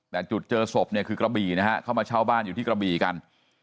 แต่จุดเจรสบคือกระบี่นะครับมาเช้าบ้านอยู่ที่กระบีกัน